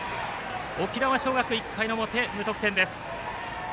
沖縄尚学、１回の表、無得点です。